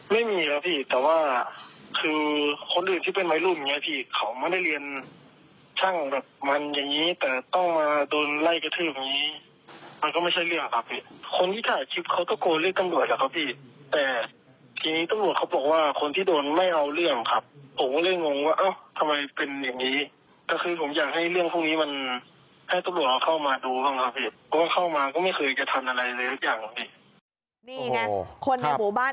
ไม่มีแล้วพี่แต่ว่าคือคนอื่นที่เป็นไว้รุ่นไงพี่เขาไม่ได้เรียนช่างแบบมันอย่างงี้แต่ต้องมาโดนไล่กระทืบอย่างงี้มันก็ไม่ใช่เรื่องครับพี่คนที่ถ่ายคลิปเขาก็โกนเรียกตำรวจแล้วครับพี่แต่ทีนี้ตำรวจเขาบอกว่าคนที่โดนไม่เอาเรื่องครับผมก็เลยงงว่าเอ้าทำไมเป็นอย่างงี้ก็คือผมอยากให้เรื่องพวกนี้มันให้ตำรวจเราเข้ามา